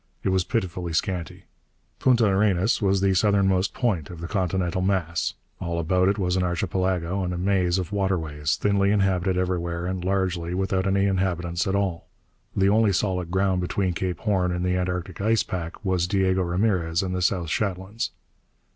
It was pitifully scanty. Punta Arenas was the southernmost point of the continental mass. All about it was an archipelago and a maze of waterways, thinly inhabited everywhere and largely without any inhabitants at all. The only solid ground between Cape Horn and the Antarctic ice pack was Diego Ramirez and the South Shetlands....